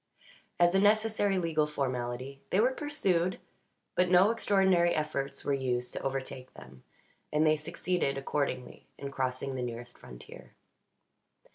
As a necessary legal formality, they were pursued, but no extraordinary efforts were used to overtake them; and they succeeded, accordingly, in crossing the nearest frontier.